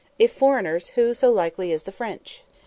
—if foreigners, who so likely as the French?